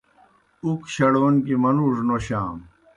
اُک شڑَون گیْ منْوڙوْ نوشانوْ۔